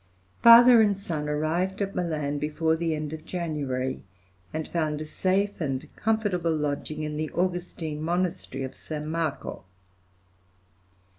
Father and son arrived at Milan before the end of January, and found a safe and comfortable lodging in the Augustine monastery of San Marco.